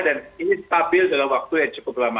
dan ini stabil dalam waktu yang cukup lama